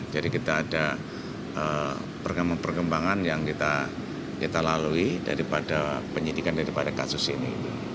jadi kita ada perkembangan perkembangan yang kita lalui daripada penyidikan daripada kasus ini